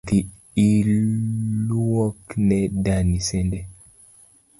Dhi ilwuok ne dani sande